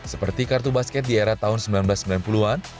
seperti kartu basket di era tahun seribu sembilan ratus sembilan puluh an